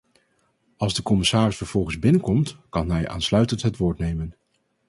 Als de commissaris vervolgens binnenkomt, kan hij aansluitend het woord nemen.